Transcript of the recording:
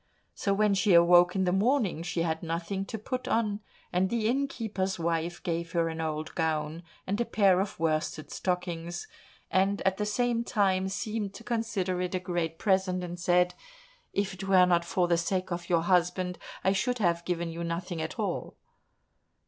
So when she awoke in the morning, she had nothing to put on, and the innkeeper's wife gave her an old gown and a pair of worsted stockings, and at the same time seemed to consider it a great present, and said, "If it were not for the sake of your husband I should have given you nothing at all!"